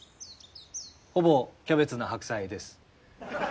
「ほぼキャベツな白菜」です。